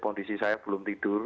kondisi saya belum tidur